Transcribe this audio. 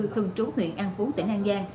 thường trú huyện an phú tỉnh an giang